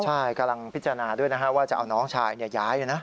ใช่กำลังพิจารณาด้วยนะฮะว่าจะเอาน้องชายย้ายนะ